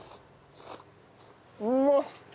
うまっ！